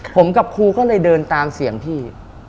ผมกับครูก็เลยเดินตามเสียงพี่